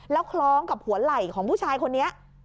แล้วคล้องกับหัวไหล่ของผู้ชายคนนี้